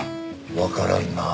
わからんなあ。